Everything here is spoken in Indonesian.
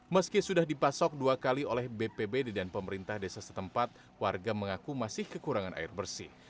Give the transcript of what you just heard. meski sudah dipasok dua kali oleh bpbd dan pemerintah desa setempat warga mengaku masih kekurangan air bersih